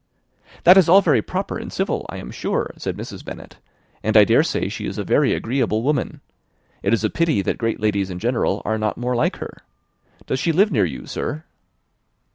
"That is all very proper and civil, I am sure," said Mrs. Bennet, "and I dare say she is a very agreeable woman. It is a pity that great ladies in general are not more like her. Does she live near you, sir?"